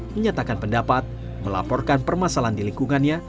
menyatakan pendapat melaporkan permasalahan di lingkungannya